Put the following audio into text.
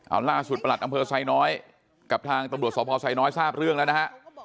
เอาล่าสุดประหลัดอำเภอไซน้อยกับทางตำรวจสพไซน้อยทราบเรื่องแล้วนะฮะ